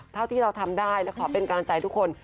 เท่าที่เราทำได้และขอเป็นกำลังใจทุกคน